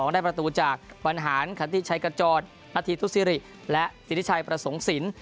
ได้ประตูจากบรรหารขันติชัยขจรนาธีทุศิริและสิทธิชัยประสงค์สิน